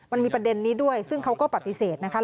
มันมีประเด็นนี้ด้วยซึ่งเขาก็ปฏิเสธนะคะ